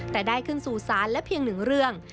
แต่ได้ขึ้นสู่ศาลและเพียงหนึ่งเรื่อง